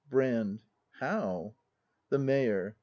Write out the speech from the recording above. Brand. How? The Mayor.